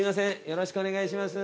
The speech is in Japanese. よろしくお願いします。